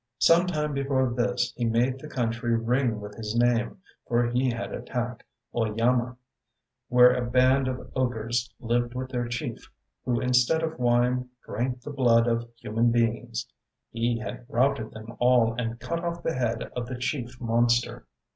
Some time before this he made the country ring with his name, for he had attacked Oeyama, where a band of ogres lived with their chief, who instead of wine drank the blood of human beings. He had routed them all and cut off the head of the chief monster.